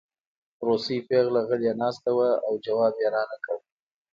روسۍ پېغله غلې ناسته وه او ځواب یې رانکړ